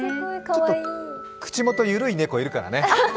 ちょっと口元緩い猫いるからね。